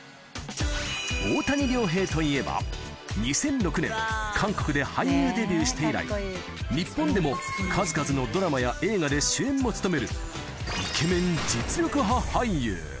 大谷亮平といえば、２００６年、韓国で俳優デビューして以来、日本でも数々のドラマや映画で主演も務めるイケメン実力派俳優。